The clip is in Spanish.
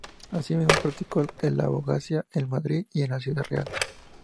Asimismo practicó la abogacía en Madrid y en Ciudad Real.